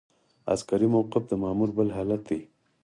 عسکري موقف د مامور بل حالت دی.